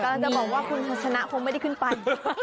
กำลังจะบอกว่าคุณทัศนะคงไม่ได้ขึ้นไป